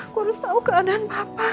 aku harus tahu keadaan papa